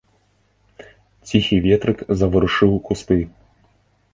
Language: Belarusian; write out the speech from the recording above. Ціхі ветрык заварушыў кусты.